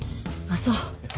ああそう。